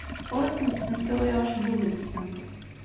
Ur asent-ssemsawayeɣ acebbub-nsent.